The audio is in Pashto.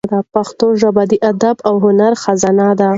پښتو ژبه د ادب او هنر خزانه ده.